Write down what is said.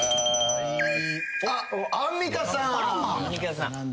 あっアンミカさん。